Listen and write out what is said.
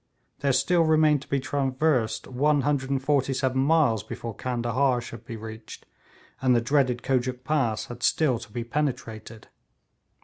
There still remained to be traversed 147 miles before Candahar should be reached, and the dreaded Kojuk Pass had still to be penetrated.